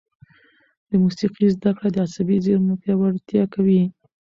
د موسیقي زده کړه د عصبي زېرمو پیاوړتیا کوي.